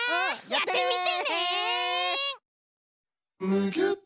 やってみてね！